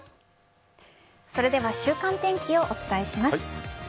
それでは週間天気をお伝えします。